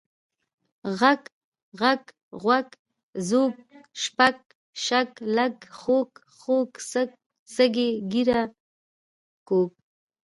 غږ، ږغ، غوَږ، ځوږ، شپږ، شږ، لږ، خوږ، خُوږ، سږ، سږی، ږېره، کوږ،